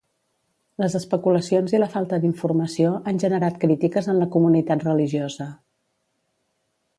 Les especulacions i la falta d'informació han generat crítiques en la comunitat religiosa.